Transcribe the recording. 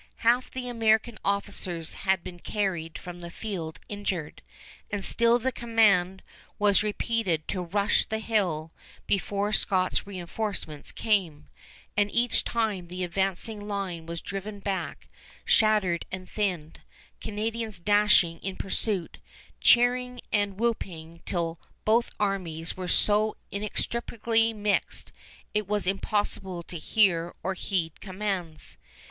Half the American officers had been carried from the field injured, and still the command was repeated to rush the hill before Scott's reënforcements came, and each time the advancing line was driven back shattered and thinned, Canadians dashing in pursuit, cheering and whooping, till both armies were so inextricably mixed it was impossible to hear or heed commands.